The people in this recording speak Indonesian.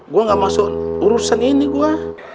gue gak masuk urusan ini gue